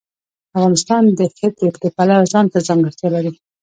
افغانستان د ښتې د پلوه ځانته ځانګړتیا لري.